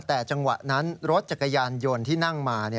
แต่จังหวะนั้นรถจักรยานยนต์ที่นั่งมา